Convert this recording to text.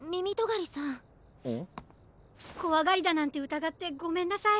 こわがりだなんてうたがってごめんなさい！